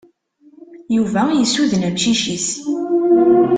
Yuba yessuden amcic-is.